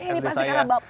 ini pasti karena bapaknya